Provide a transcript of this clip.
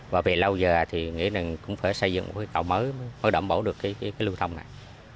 và vì lâu giờ thì nghĩ là cũng phải xây dựng một cái cầu mới mới đẩm bổ được cái lưu thông này